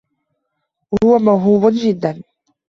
هو موهوب جدا.